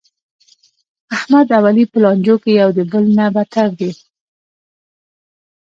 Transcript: احمد او علي په لانجو کې یو د بل نه بتر دي.